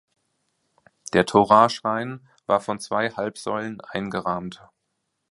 Der Toraschrein war von zwei Halbsäulen eingerahmt.